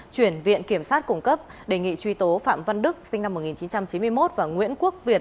chuyển viện kiểm sát cung cấp đề nghị truy tố phạm văn đức sinh năm một nghìn chín trăm chín mươi một và nguyễn quốc việt